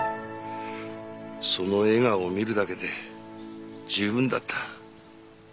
その笑顔を見るだけで十分だった。